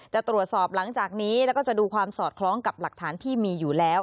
จะตรวจสอบหลังจากนี้แล้วก็จะดูความสอดคล้องกับหลักฐานที่มีอยู่แล้ว